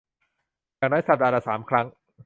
อย่างน้อยสัปดาห์ละ สาม ครั้ง